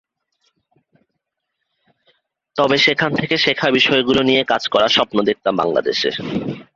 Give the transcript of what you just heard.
তবে সেখান থেকে শেখা বিষয়গুলো নিয়ে কাজ করার স্বপ্ন দেখতাম বাংলাদেশে।